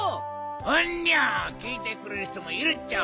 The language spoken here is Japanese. うんにゃきいてくれるひともいるっちゃ。